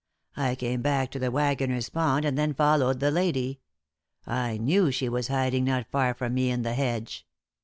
I came back to the Waggoner's Pond and then followed the lady. I knew she was hiding not far from me in the hedge."